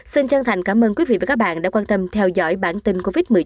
xin chân thành cảm ơn quý vị và các bạn đã quan tâm theo dõi bản tin covid một mươi chín